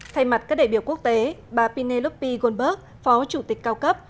thay mặt các đại biểu quốc tế bà penelope goldberg phó chủ tịch cao cấp